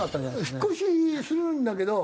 引っ越しするんだけど。